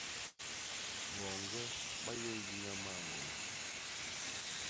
Boñge ba yé nyiña mañgôlô.